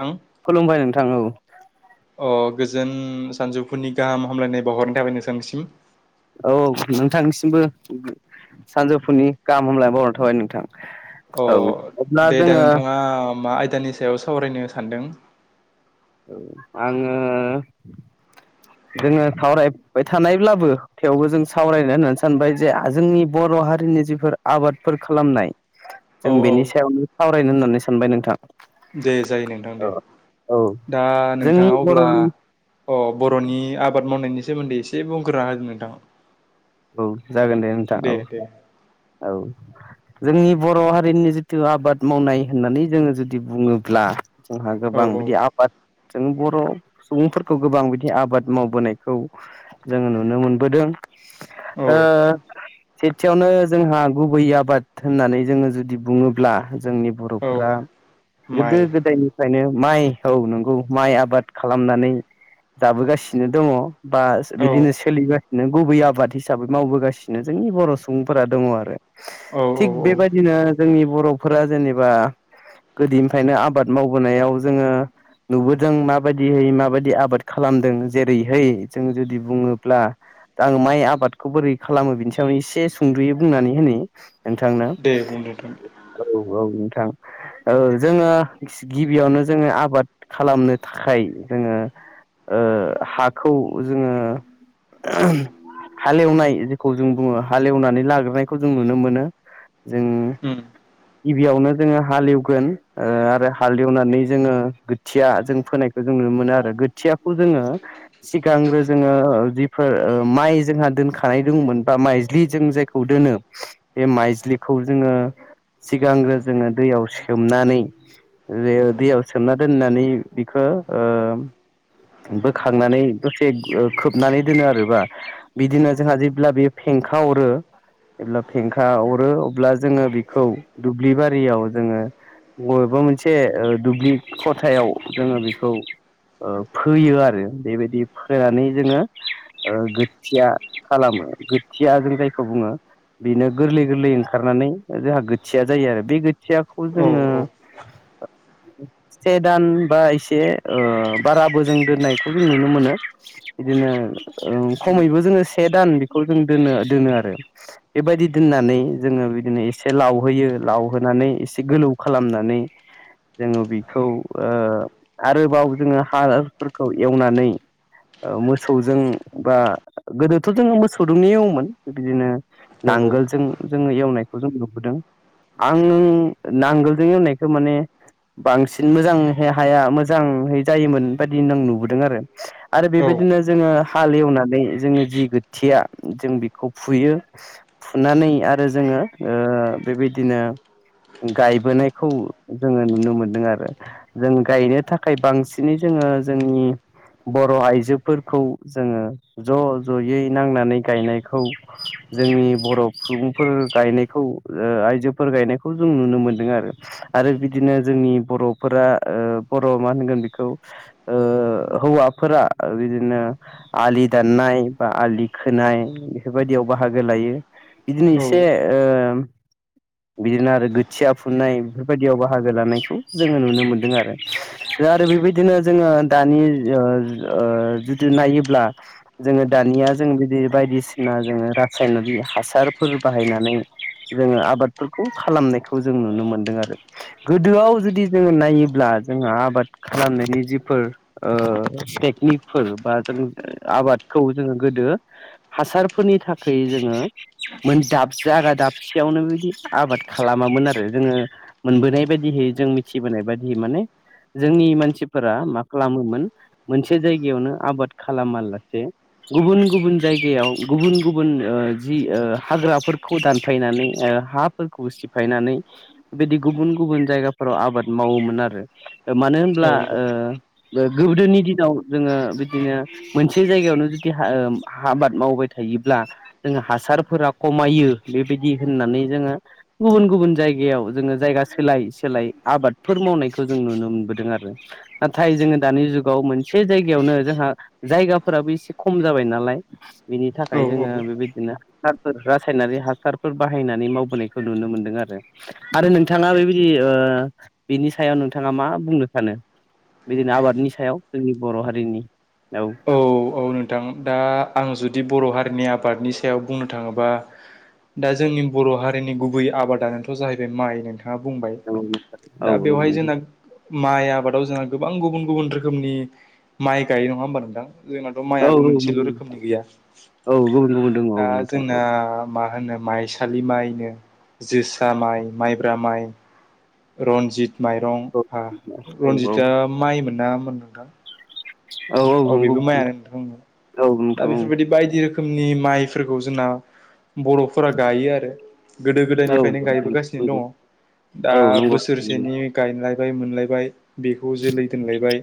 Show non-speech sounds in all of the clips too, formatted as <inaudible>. थां खुलुमबाय नोंथां औ अ गोजोन सानजौफुनि गाहाम हामलायनाय बावहरनाय थाबाय नोंसांनिसिम। औ नोंथांनिसिमबो सानजौफुनि गाहाम हामलाय बावनाय थाबाय नोंथां। अ औ अब्ला दे दा जोङो नोंथाङा मा आयदानि सायाव सावरायनो सानदों? औ आङो जोङो सावरायबाय थानायब्लाबो थेवबो जों सावरायनो होननानै सानबाय जे जोंनि बर' बर' हारिनि जिफोर आबादफोर खालामनाय । औ जों औ बेनि सायावनो सावरायनो होननानै सानबाय नोंथां। दे जायो नोंथां दे। औ औ दा जोंनि नोंथाङा अब्ला बर'नि अ बर'नि आबाद मावनायनि सोमोन्दै इसे बुंगोरा होदो नोंथां। औ जागोन दे नोंथां औ औ। जोंनि बर' हारिनि जिथु आबाद मावनाय होननानै जोङो जुदि बुङोब्ला जोंहा औ गोबां औ बिदि आबाद जों बर' सुबुंफोरखौ गोबां बिदि आबाद मावबोनायखौ जोङो नुनो मोनबोदों। ओ औ सेथियावनो जोंहा गुबै आबाद होननानै जोङो जुदि बुङोब्ला जोंनि औ बर'फोरा गोदो माइ गोदायनिफ्रायनो माइ औ नंगौ माइ आबाद खालामनानै जाबोगासिनो दङ। बाश औ बिदिनो सोलिगासिनो गुबै आबाद हिसाबै मावबोगासिनो जोंनि बर' सुबुंफोरा दङ आरो औ औ थिग औ बेबायदिनो जोंनि बर'फोरा जेनेबा गोदैनिफ्रायनो आबाद मावबोनायाव जोङो नुबोदों माबायदिहै माबायदि आबाद खालामदों जेरैहै जों जुदि बुङोब्ला आं माइ आबादखौ बोरै खालामो बिनि सायाव एसे सुंद'यो बुंनानै होनि नोंथांनो दे बुं नोंथां औ औ नोंथां। ओ जोङो गिबियावनो जोङो आबाद खालामनो थाखाय जोङो ओ हाखौ जोङो <unintelligible> हालेवनाय जेखौ जों बुङो हालेवनानै लाग्रोनायखौ जों नुनो मोनो। जोंङो उम गिबियावनो जोङो हालेवगोन ओ आरो हालेवनानै जोङो खोथिया जों फोनायखौ जों नुनो मोनो आरो गोथियाखौ जोङो सिगांग्रो जोङो ओ जिफोर ओ माइ जोंहा दोनखानाय दंमोन बा माइज्लि जों जायखौ दोनो बे माइज्लिखौ जोङो सिगांग्रो जोङो दैयाव सोमनानै ओ दैयाव सोमना दोननानै बिखौ ओ बोखांनानै दसे ओ खोबनानै दोनो आरोबा बिदिनो जोंहा जेब्ला बेयो फेंखा अरो एब्ला फेंखा अरो अब्ला जोङो बेखौ दुब्लि बारियाव जोङो बबेबा मोनसे ओ दुब्लि खथायाव जोङो बेखौ ओ फोयो आरो बेबायदि फोनानै जोङो ओ गो थिया खालामो गोथियाजों जायखौ बुङो । बिनो गोरलै गोरलै ओंखारनानै जोंहा गोथिया जायो आरो बे थियाखौ औ जोङो औ से दान बा इसे ओ बाराबोजों दोननायखौ जों नुनो मोनो। बिदिनो ओ उम खमैबो जोङो से दान बेखौ जों दोनो दोनो आरो बेबायदि दोननानै जोङो बिदिनो एसे एसे लावहोयो लावहोनानै एसे गोलौ खालामनानै जोङो बेखौ ओ आरोबाव जोङो हाफोरखौ एवनानै मोसौजों बा गोदोथ जोङो मोसौ दोंनो एवोमोन बिदिनो औ नांगोलजों जोङो एवनायखौ जों नुबोदों आं नांगोलजों एवनायखौ माने बांसिन मोजांहै हाया मोजां जायोमोन बायदि आं नुबोदों आरो आरो औ बेबायदिनो जोङो हालेवनानै जोङो जि गोथिया जों बेखौ फुयो फुनानै आरो जोङो ओ बेबायदिनो गायबोनायखौ जोङो नुनो मोनदों आरो जों गायनो थाखाय बांसिनै जों ङो जोंनि बरआइजोफोरखौ जोङो ज ज यै नांनानै गायनायखौ जोंनि बर सुबुंफोर गायनायखौ ओ आयजोफोर गायनायखौ जों नुनो मोनदों आरो आरो बिदिनो जोंनि बरफोरा ओ बर मा होनगोन बिखौ ओ हौवाफोरा बिदिनो आलि दाननाय बा आलि खोनाय बेफोरबायदियाव बाहागो लायो बिदिनो इसे ओ बिदिनो आरो गोथिया फुनाय बेफोरबायदियाव बाहागो लानायखौ जोङो नुनो मोनदों आरो दा आरो बेबायदिनो जोङो दानि जुदि नायोब्ला जोङो दानिया दा जों बिदि बायदिसिना जों रासायनारि हासारफोर बाहायनानै जोङो आबाद फोरखौ खालामनायखौ जों नुनो मोनदों आरो गोदोआव जुदि जोङो नायोब्ला जोंहा आबाद खालामनायनि जिफोर टेकनिकफोर बा जों आबादखौ जोङो गो ङो हासारफोरनि थाखाय जोङो मोन दाब जागा दाबसेयावनो बिदि आबाद खालामामोन आरो जोङो मोनबोनाय बायदिहै जों मिथिबोनाय बायदियै माने जोंनि मानसिफोरा मा खालामोमोन मोनसे जायगायावनो आबाद खालामालासे गुबुन गुबुन जायगायाव गुबुन गुबुन ओ जि ओ हाग्राफोरखौ दानफायनानै ओ हा फोरखौ सिफायनानै बिदि गुबुन गुबुन जायगाफोराव आबाद मावोमोन आरो मानो होनब्ला औ ओ गोदोनि दिनाव जोङो बिदिनो मोनसे जायगायावनो जुदि ओ आबाद मावबाय थायो योब्ला जोङो हासारफोरा खमायो बेबायदि होननानै जोङो गुबुन गुबुन जायगायाव जोङो जायगा सोलाय सोलाय आबादफोर मावनायखौ जों नुनो मोनबोदों आरो नाथाय जोङो दानि जुगाव मोनसे जायगायावनो जोंहा जायगाफोराबो एसे खम जाबाय नालाय लाय बिनि औ थाखाय जोङो औ बेबायदिनो हासारफोर रासायनारि हासारफोर बाहायनानै मावबोनायखौ खौ नुनो मोनदों आरो आरो नोंथाङा बेबायदि बिनि सायाव नोंथाङा मा बुंनो सानो बिदिनो आबादनि सायाव जोंनि बर हारिनि औ औ औ नोंथां दा आं जुदि बर हारिनि आबादनि सायाव बुंनो थाङोबा दा जोंनि बर हारिनि गुबै आबादानोथ जाहैबाय माइ नोंथां आ बुंबाय औ नंगौ औ दा बेवहाय नंगौ जोंना माइ आबादाव जोंहा गोबां गुबुन गुबुन रोखोमनि माइ गायो नङा होमबा नोंथां जोंनाथ माइआ मोनसेल रोखोमनि गैया औ गुबुन गुबुन दङ औ दा नोंथां औ जोंना मा होनो माइसालि माइनो जोसा माइ माइब्रा माइ रनजित माइरं औ औ रनजितआ माइ मोन ना मोनदा नोंथां औ बेबो माइयानो नोंथां औ दा नोंथां बेफोरबायदि बायदि रोखोम रोखोमनि माइफोरखौ जोंना बरफोरा गायो आरो गोदो औ गोदायनिफ्रायनो नंगौ औ गायबोगासिनो नंगौ दङ दा औ बोसोरसेनि गायनाय लायबाय मोनलायबाय बेखौ जोलै दोनलायबाय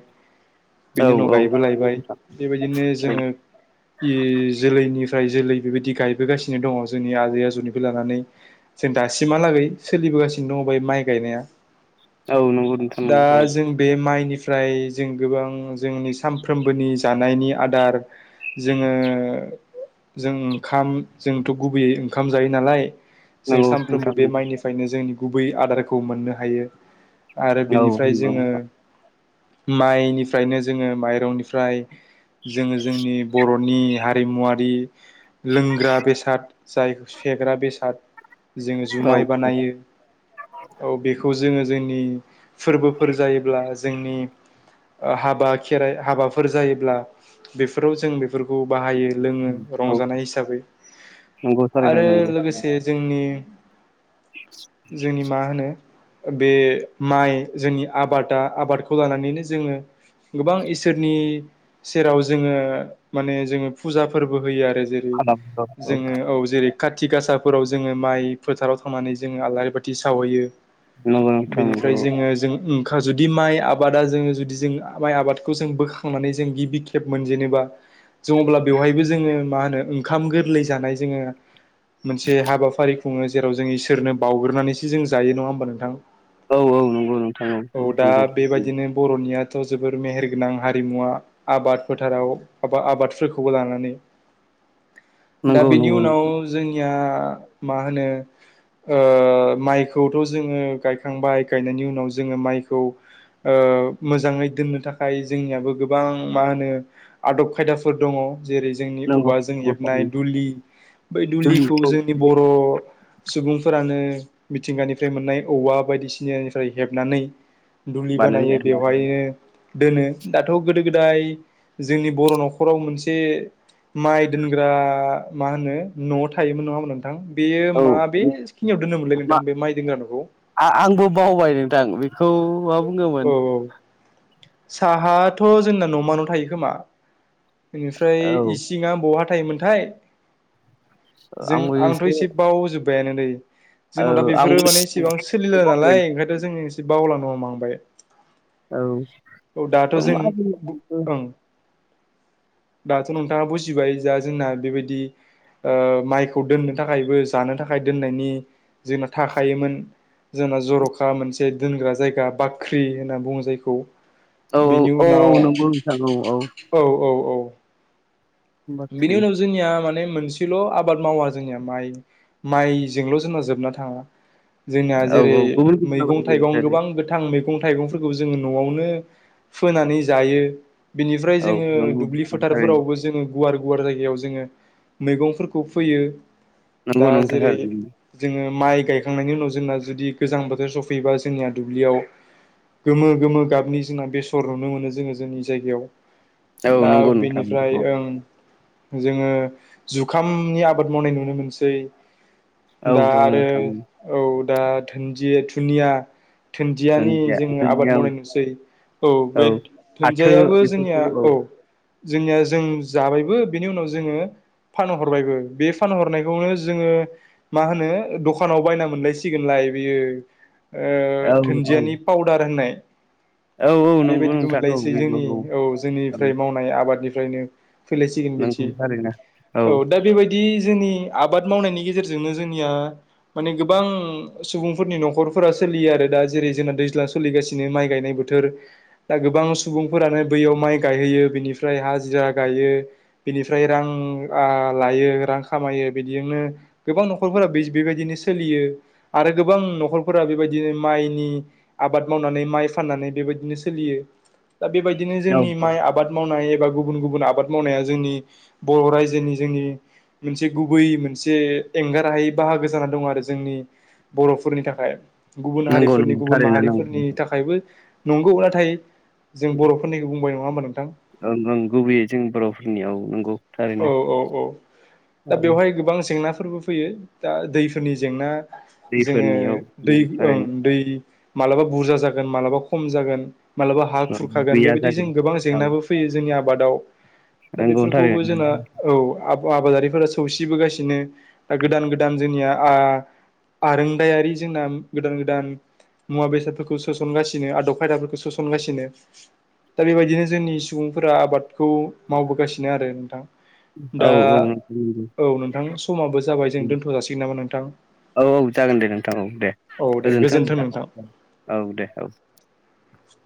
बेनि उन गायबोलायबाय बेबायदिनो जोङो इ जोलैनिफ्राय जोलै बेबायदि गायबोगासिनो दङ जोंनि आजै आजौनिबो लानानै जों दासिमहालागै सोलिबोगासिन थिं दं बे माइ गायनाया औ नंगौ नोंथां दा नंगौ औ जों बे माइनि फ्राय जों गोबां जोंनि सानफ्रोमबोनि जानायनि आदार जोङो जों ओंखाम जोंथ' गुबैयै ओंखाम जायो नालाय जों नंगौ नोंथां सानफ्रोमबो बे नंगौ माइनिफ्रायनो जोंनि गुबै आदारखौ मोननो हायो आरो औ बेनिफ्राय नंगौ जोङो नोंथां माइनिफ्रायनो जोङो माइ निफ्राय जोङो जोंनि बर'नि हारिमुवारि लोंग्रा बेसाद जाय फेग्रा बेसाद जोङो औ जुमाय औ बानायो औ बेखौ जोङो जोंनि फोरबोफोर जायोब्ला जोंनि हाबा खेराइ हाबाफोर जायोब्ला बेफोराव जों बेफोरखौ बाहायो लोङो औ रंजानाय हिसाबै नंगौ थारैनो आरो नंगौ लोगोसे जोंनि जोंनि मा होनो बे माइ जोंनि आबादा आबादखौ लानानैनो जोङो गोबां इ सोरनि सेराव जोङो माने जोङो फुजा फोरबो होयो आरो जेरै खालाम औ जोङो औ जेरै खााथि गासाफोराव जोङो माइ फोथाराव थांनानै जोङो आलारि बाथि सावहैयो नंगौ नोंथां नंगौ बेनिफ्राय औ जोङो जों ओंखा जुदि माइ आबादा जोङो जुदि जों माइ आबाद खौ जों बोखांनानै जों गिबि खेब मोनजेेननोबा जोङ अब्ला बेवहायबो जोङो मा होनो ओंखाम गोरलै जानाय जोङो मोनसे हाबाफारि खुङो जेराव जों इसोरनो बावग्रोनानैसो जों जायो नङा होमबा नोंथां? औ औ नंगौ नोंथां औ दा नंगौ बेबायदिनो बर'नियाथ' जोबोर मेहेर गोनां हारिमुवा आबाद फोथाराव आबादफोरखौबो लानानै दा बेनि नंगौ नंगौ उनाव जोंनिया मा होनो ओ माइखौथ' जोङो गायखांबाय गायनायनि उनाव जोङो माइखौ ओ मोजाङै दोननो थाखा <unintelligible> जोंनियाबो गोबां मा होनो आदब खायदाफोर दङ जेरै जोंनि नंगौ औवाजों हेबनाय दुलि बै दुलिखौ नंगौ जोंनि बर' सुबुंफोरानो मिथिंगानिफ्राय मोननाय औवा बायदिसिनानिफ्राय हेबनानै दुलि बानायो बानायनो बेवहायो दोनो दाथ' गोदो गोदाय जोंनि बर' न'खराव मोनसे माइ दोनग्रा मा होनो न' थायोमोन नङा होमबा नों थां बेयो औ मा बे सिखिनियाव दोनोमोनलै मा नोंथां बे माइ दग्रा न'खौ? औ मा औ बुंगौमोन साहाथ' जोंना न'मान' थायो खोमा औ बेनिफ्राय इसिङा बहा थायोमोनथाय जों आंबो आंथ' एसे एसेबाव जोब बायानो दै औ जोंनाव दा बेफोरो आंबो माने इसेबां सोलिला बावबाय नालाय ओंखायथ' जों एसे बावलानो हम लांबाय औ औ दाथ' जों मा बुङो औ ओं दाथ' नोंथाङा बुजिबाय जा जोंना बेबायदि ओ माइखौ दोननो थाखायबो जानो थाखाय दोननायनि जोंना थाखायोमोन। जोंना जर'खा मोनसे दोनग्रा जायगा बाख्रि होनना बुङो जायखौ औ बेनि औ उनाव नंगौ नोंथां औ औ औ औ बिनि बाख्रि उनाव जोंनिया माने मोनसेल' आबाद मावा जोंनिया माइ माइजोंल' जोंना जोबना थाङा जोंना औ जेरै औ गुबुन गुबुन आबाद मैगं मावो थाइगं गोबां गोथां मैगं थाइगंफोरखौ जोङो न'आवनो फोनानै जायो बिनिफ्राय औ जोङो नंगौ दुब्लि थारैनो फोथारफोरावबो जोङो गुवार-गुवार जायगायाव जोङो मैगंफोरखौ फोयो। नंगौ दा नोंथां जेरै थारैनो जोङो माइ गायखांनायनि उनाव जोंना जुदि गोजां बोथोर सौफैयोबा जोंनिया दुब्लियाव गोमो-गोमो गाबनि जोंना बेसर नुनो मोनो जोङो जोंनि जायगायाव। औ दा नंगौ नोंथां बिनिफ्राय औ ओं जोङो जुखामनि आबाद मावनाय नुनो मोनसै। औ दा औ आरो नोंथां औ दा धोन्जिया धुनिया दुन्दियानि दुन्दिया जोङो आबाद दुन्दिया औ मावनाय नुसै औ बे फाथो दुुन्दियाबो बेफोरखौ जोंनिया औ जोंनिया जों जाबायबो बेनि उनाव जोङो फानहरबायबो बे फानहरनायखौनो जोङो मा होनो दखानाव बायना मोनलायसिगोनलाय बेयो औ ओ औ धुन्दियानि पाउदार होननाय। औ औ नंगौ बेबायदिबो नोंथां औ मोनलायसै बेबो जोंनि औ ओं जोंनिफ्राय मावनाय आबादनिफ्राय निफ्रायनो फैलायसिगोन नंगौ बिथि थारैनो औ दा बेबायदि जोंनि आबाद मावनायनि गेजेरजोंनो जोंनिया माने गोबां सुबुंफोरनि न'खरफोरा सोलियो आरो दा जेरै जोंना दैज्लां सोलिगासिनो माइ गायनायबो बोथोर बा गोबां सुबुंफोरानो बैयाव माइ गायहैयो बेनिफ्राय हाजिरा गायो बिनिफ्राय रां आ लायो रां खामायो बिदिजोंनो गोबां न'खरफोरा फोरा बे बेबायदिनो सोलियो आरो गोबां न'खरफोरा बेबायदिनो माइनि आबाद मावनानै माइ फाननानै बेबायदिनो सोलियो दा बेबायदिनो जोंनि औ माइ आबाद मावनाय एबा गुबुन-गुबुन आब आबाद मावनाया जोंनि बर' रायजोनि जोंनि मोनसे गुबै मोनसे एंगार हायै बाहागो जाना दं आरो जोंनि बर'फोरनि थाखाय गुबुन नंगौ हारिफोरनि नंगौ गुबुन थारैनो माहारिफोरनि नंगौ थाखायबो नंगौ नाथाय जों बर'फोरनिखौ बुंबाय नङा होनबा नों ओं ओं गुबैयै जोंनि बर'फोरनियाव औ नंगौ औ थारैनो औ औ दा औ बेवहाय गोबां जेंना फोरबो फैयो दा दैफोरनि जेंना जोङो दैफोरनि औ दै ओं थारैनो दै मालाबा बुरजा जागोन मालाबा खम जागोन मालाबा हा औ खुरखागोन गैया बेबायदि जों जागोन गोबां जेंनाबो फैयो जोंनि आबादाव। दा नोंगौ बेफोरखौबो थारैनो। जोंना औ आब आबादारिफोरा सौसिबोगासिनो दा गोदान-गोदान जोंनिया आ आरोंदायारि जोंना गोदान-गोदान मुवा बेसादफोरखौ सोसनगासिनो आदब खायदाफोरखौ सोसनगासिनो । दा बेबायदिनो जोंनि सुबुंफोरा आबादखौ मावबोगासिनो आरो। औ दा औ नोंथां नंगौ औ नोंथां समाबो जाबाय जों दोनथ' जाासिगोन नामा नोंथां? औ औ जागोन दे नोंथां औ दे औ दे गोजोनथों गोजोन्थों नोंथां औ औ दे औ। <inaudible>